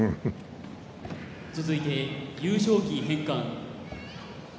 続いて優勝旗返還。